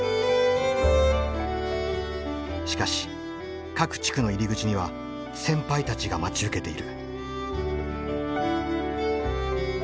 しかし各地区の入り口には先輩たちが待ち受けている。